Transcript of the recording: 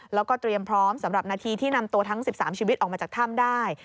แล้วก็เตรียมพร้อมสำหรับนาทีที่นำตัวทั้ง๑๓ชีวิตออกมาจากถ้ำได้